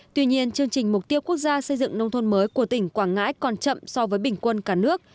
tuy nhiên chương trình mục tiêu quốc gia xây dựng nông thôn mới của tỉnh quảng ngãi còn chậm so với bình quân cả nước